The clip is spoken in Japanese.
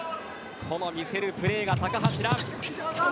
この見せるプレーが高橋藍。